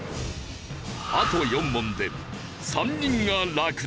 あと４問で３人が落第。